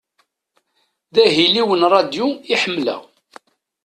D ahil-iw n ṛadyu i ḥemleɣ.